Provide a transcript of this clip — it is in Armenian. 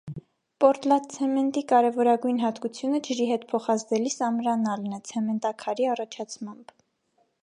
Պորտլանդցեմենտ֊ի կարևորագույն հատկությունը ջրի հետ փոխազդելիս ամրանալն է (ցեմենտաքարի առաջացմամբ)։